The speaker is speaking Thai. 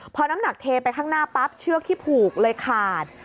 พอน้ำหนักเทไปข้างหน้าปั๊บเชือกที่ผูกเลยขาด